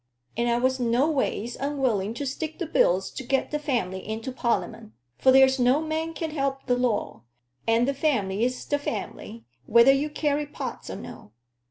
And I was noways unwilling to stick the bills to get the family into Parl'ment. For there's no man can help the law. And the family's the family, whether you carry pots or no.